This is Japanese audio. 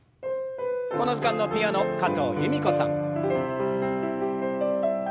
この時間のピアノ加藤由美子さん。